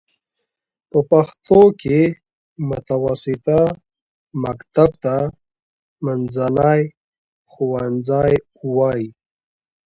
په پښتو کې متوسطه مکتب ته منځنی ښوونځی وايي.